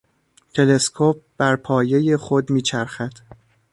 تلسکوپ برپایهی خود میچرخد.